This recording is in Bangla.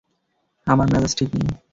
আমার মেজাজ ঠিক নেই।